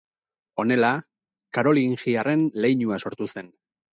Honela, karolingiarren leinua sortu zen.